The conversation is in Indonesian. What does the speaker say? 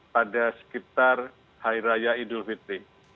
pada sekitar hari raya idul fitri